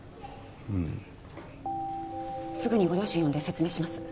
うんすぐにご両親呼んで説明します